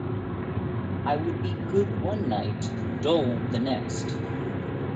I would be good one night, dull the next.